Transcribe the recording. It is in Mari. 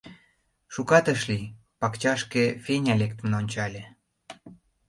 Шукат ыш лий, пакчашке Феня лектын ончале.